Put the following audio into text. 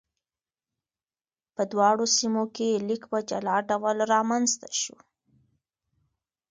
په دواړو سیمو کې لیک په جلا ډول رامنځته شو.